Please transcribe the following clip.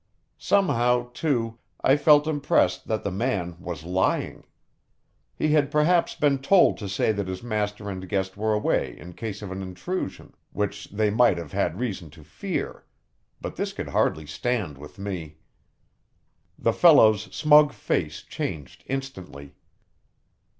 Somehow, too, I felt impressed that the man was lying. He had perhaps been told to say that his master and guest were away in case of an intrusion, which they might have had reason to fear; but this could hardly stand with me. The fellow's smug face changed instantly.